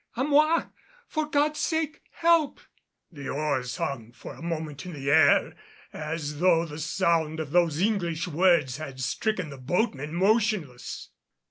a moi! For God's sake, help!" [Illustration: "A MOI! A MOI!"] The oars hung for a moment in the air as though the sound of those English words had stricken the boatmen motionless.